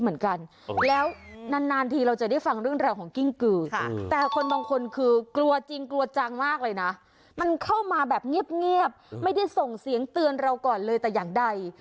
เหมือนกันแล้วนานทีเราจะได้ฟังเรื่องราวของกิ้งกือแต่คนบางคนคือกลัวจริงกลัวจังมากเลยนะมันเข้ามาแบบเงียบไม่ได้ส่งเสียงเตือนเราก่อนเลยแต่อย่างใด